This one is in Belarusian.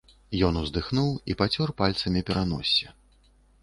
Ён уздыхнуў і пацёр пальцамі пераноссе.